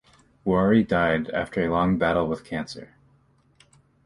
Wuori died after a long battle with cancer.